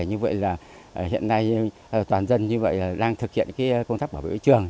như vậy là hiện nay toàn dân đang thực hiện công tác bảo vệ môi trường